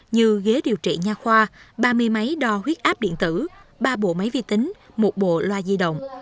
như ghế điều trị nha khoa ba mươi máy đo huyết áp điện tử ba bộ máy vi tính một bộ loa di động